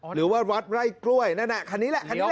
หรือว่าวัดไร่กล้วยนั่นน่ะคันนี้แหละคันนี้